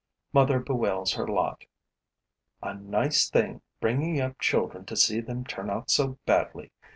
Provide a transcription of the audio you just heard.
Mother bewails her lot: "A nice thing, bringing up children to see them turn out so badly!